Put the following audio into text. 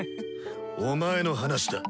お前の話だ。